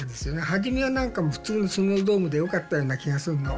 初めは何かもう普通のスノードームでよかったような気がするの。